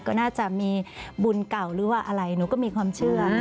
ก็น่าจะมีบุญเก่าหรือว่าอะไรหนูก็มีความเชื่อ